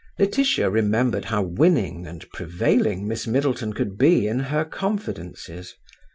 Laetitia remembered how winning and prevailing Miss Middleton could be in her confidences.